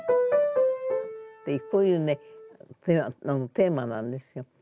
こういうねテーマなんですよ。